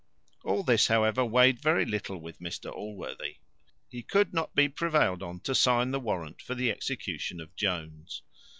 All this, however, weighed very little with Mr Allworthy. He could not be prevailed on to sign the warrant for the execution of Jones.